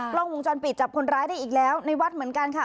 กล้องวงจรปิดจับคนร้ายได้อีกแล้วในวัดเหมือนกันค่ะ